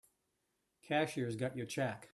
Cashier's got your check.